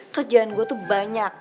kerjaan gue tuh banyak